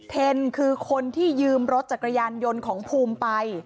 เทนคือคนที่ยืมรถจักรยานยนต์ของภูมิไป